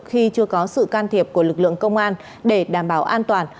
khi chưa có sự can thiệp của lực lượng công an để đảm bảo an toàn